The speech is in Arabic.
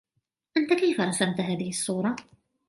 أنتَ كيف رَسَمت هذه الصورة ؟